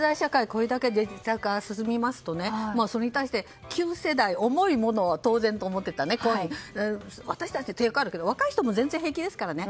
これだけデータ化が進みますとそれに対して旧世代重いものが当然と思っていた私たちは抵抗があるけど若い人は全然平気ですからね。